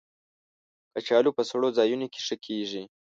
کچالو په سړو ځایونو کې ښه کېږي